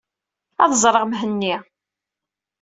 Ad ẓreɣ Mhenni.